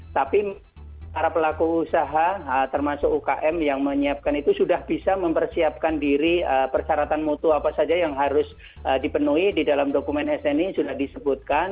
tapi para pelaku usaha termasuk ukm yang menyiapkan itu sudah bisa mempersiapkan diri persyaratan mutu apa saja yang harus dipenuhi di dalam dokumen sni sudah disebutkan